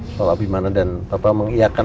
soal abimana dan mengiakan